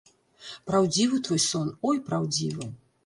Праўдзівы твой сон, ой, праўдзівы.